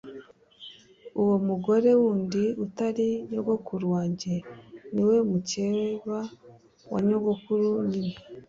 uwo mugore wundi utari nyogokuru wange ni we mukeba wa nyogokuru nyine.